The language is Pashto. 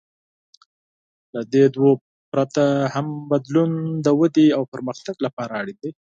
له دې دوو پرته، هر بدلون د ودې او پرمختګ لپاره اړین دی.